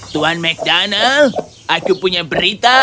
tuan mcdonald aku punya berita